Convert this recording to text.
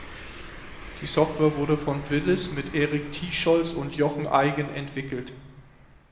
Die Software wurde von Willis mit Eric Tiescholz und Jochen Eigen entwickelt.